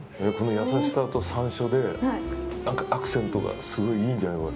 優しさと山椒で、アクセントがすごい、いいんじゃないの？